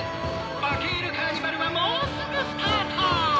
バケールカーニバルはもうすぐスタート！